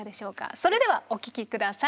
それではお聴き下さい。